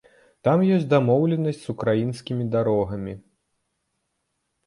Там ёсць дамоўленасць з украінскімі дарогамі.